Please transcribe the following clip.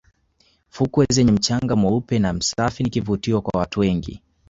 fukwe zenye mchanga mweupe na masafi ni kivutio kwa watu wengi